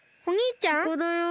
ここだよ。